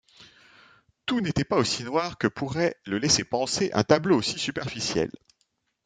Tout n'était pas aussi noir que pourrait le laisser penser un tableau aussi superficiel.